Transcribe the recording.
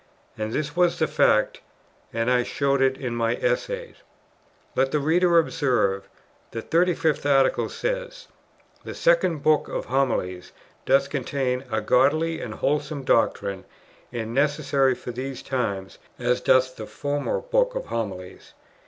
and this was the fact, and I showed it in my Essay. Let the reader observe: the 35th Article says: "The second Book of Homilies doth contain a godly and wholesome doctrine, and necessary for these times, as doth the former Book of Homilies."